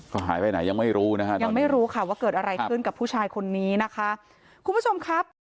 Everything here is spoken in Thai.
ก็หายไปไหนยังไม่รู้นะคะยังไม่รู้ว่าเกิดอะไรขึ้นกับผู้ชายคนนี้นะคะ